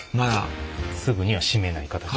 すぐには締めない形で。